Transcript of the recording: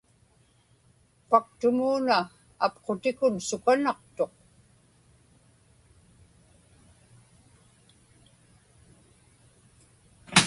paktumuuna apqutikun sukanaqtuq